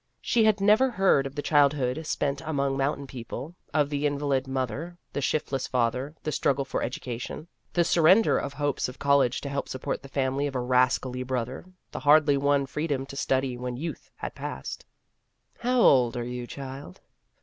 She had never heard of the childhood spent among mountain people, of the invalid mother, the shiftless father, the struggle for educa tion, the surrender of hopes of college to help support the family of a rascally In Search of Experience 7 brother, the hardly won freedom to study when youth had passed. " How old are you, child